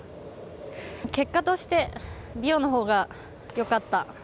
結果として、リオのほうがよかった。